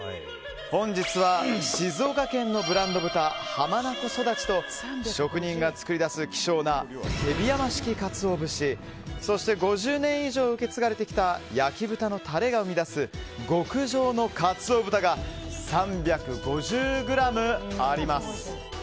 本日は静岡県のブランド豚浜名湖そだちと職人が作り出す希少な手火山式鰹節そして５０年以上受け継がれてきた焼豚のタレが生み出す極上の鰹豚が３５０ｇあります。